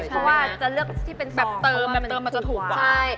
เพราะว่าจะเลือกที่เป็นสองเติมมันจะถูกกว่า